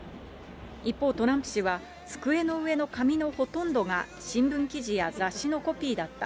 一方、トランプ氏は、机の上の紙のほとんどが新聞記事や雑誌のコピーだった。